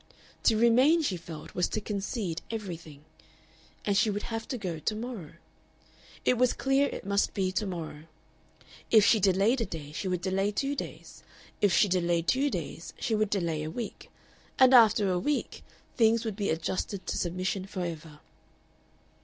To remain, she felt, was to concede everything. And she would have to go to morrow. It was clear it must be to morrow. If she delayed a day she would delay two days, if she delayed two days she would delay a week, and after a week things would be adjusted to submission forever.